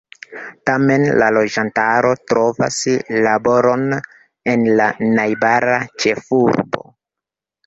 Tamen la loĝantaro trovas laboron en la najbara ĉefurbo.